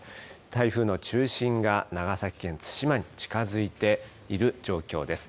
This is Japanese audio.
台風の中心が長崎県対馬市に近づいている状況です。